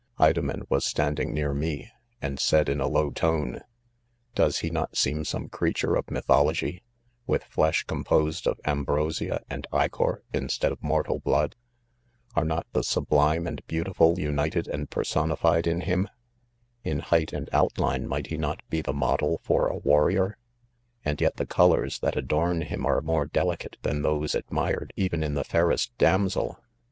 ; fdomen was ''standing near me, and' said in a lowtorie, " does he not 'seem some creatine of mythology, with flesh composed of ambrosia and ichor instead of mortal 'blood ; are not the giiblte'e and' beautiful united and personified ia Mint In height and outline might; I13 not h the model for a warrior 1 And yet the cole;,..; that • adorn him are rnore delicate than therms admired 'even in the fairest damsel